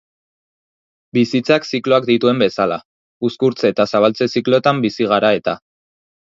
Bizitzak zikloak dituen bezala, uzkurtze eta zabaltze zikloetan bizi gara eta.